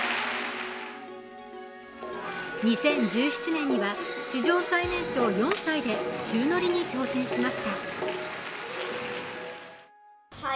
２０１７年には史上最年少４歳で宙乗りに挑戦しました。